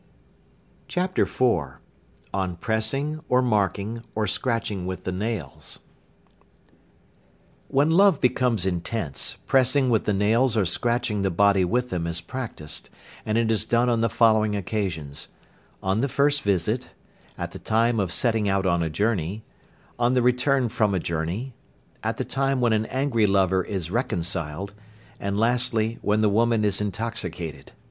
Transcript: CHAPTER IV. ON PRESSING, OR MARKING, OR SCRATCHING WITH THE NAILS. When love becomes intense, pressing with the nails or scratching the body with them is practised, and it is done on the following occasions: On the first visit; at the time of setting out on a journey; on the return from a journey; at the time when an angry lover is reconciled; and lastly when the woman is intoxicated.